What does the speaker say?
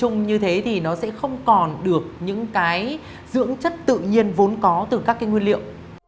nó sẽ không còn được những dưỡng chất tự nhiên vốn có từ các nguyên liệu